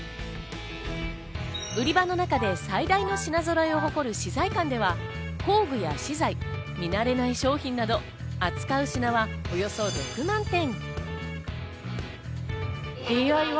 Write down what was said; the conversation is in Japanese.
売り場の中で最大の品揃えを誇る資材館では工具や資材、見なれない商品など、扱う品はおよそ６万点。